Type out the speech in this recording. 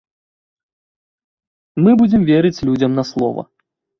Мы будзем верыць людзям на слова.